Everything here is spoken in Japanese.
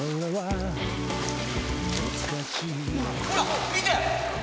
ほら見て。